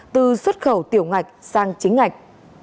từ xuất khẩu tiểu ngạch sang chính ngạch